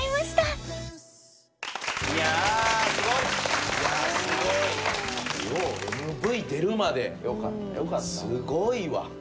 すごいわ。